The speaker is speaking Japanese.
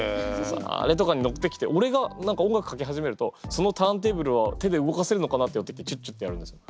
あれとかに乗ってきて俺が音楽かけ始めるとそのターンテーブルは手で動かせるのかな？ってやって来てキュッキュッてやるんですよ。